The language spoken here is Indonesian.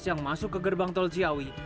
yang masuk ke gerbang tol ciawi